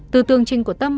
từ tường trình của tâm